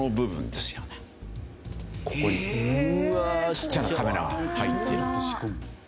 ちっちゃなカメラが入っているんですよ。